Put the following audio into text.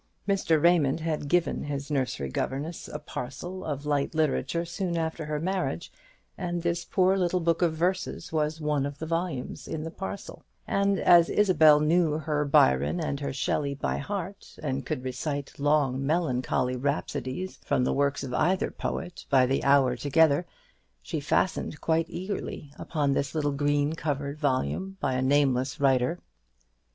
Mr. Raymond had given his nursery governess a parcel of light literature soon after her marriage, and this poor little book of verses was one of the volumes in the parcel; and as Isabel knew her Byron and her Shelley by heart, and could recite long melancholy rhapsodies from the works of either poet by the hour together, she fastened quite eagerly upon this little green covered volume by a nameless writer.